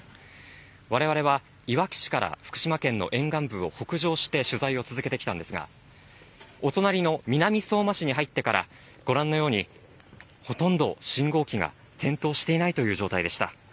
我々はいわき市から福島県の沿岸部を北上して取材を続けてきたんですが、お隣の南相馬市に入ってから、ご覧のようにほとんど信号機が点灯していないという状態でした。